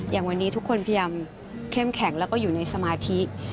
อย่างวันนี้ทุกคนพยายามเข้มแข็งแล้วก็อยู่ในสมาธิ